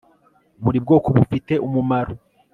buri bwoko bufite umumaro